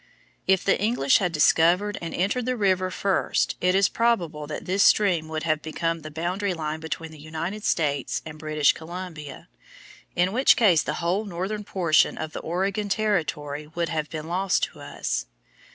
If the English had discovered and entered the river first it is probable that this stream would have become the boundary line between the United States and British Columbia, in which case the whole northern portion of the Oregon territory would have been lost to us.